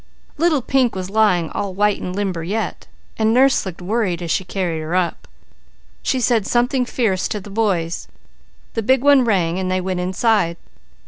Little pink was lying all white and limber yet, and nurse looked worried as she carried her up. She said something fierce to the boys, the big one rang and they went inside.